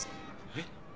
えっ？